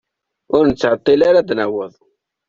Ur nettɛeṭṭil ara ad naweḍ.